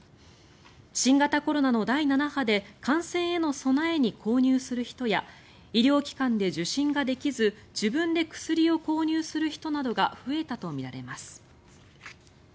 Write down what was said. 新型コロナの第７波で感染への備えに購入する人や医療機関で受診ができず自分で薬を購入する人などが増えたとみられます。